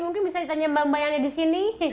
mungkin bisa ditanya mbak mbak yang ada di sini